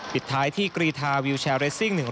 ปิดท้ายที่กรีทาวิวแชร์เรสซิ่ง